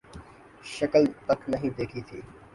شکل تک نہیں دیکھی تھی